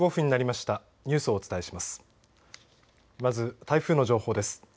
まず台風の情報です。